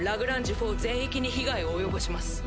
４全域に被害を及ぼします。